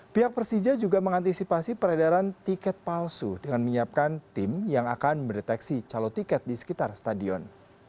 pihak persija juga mengantisipasi peredaran tiket palsu dengan menyiapkan tim yang akan mendeteksi calon tiket di sekitar stadion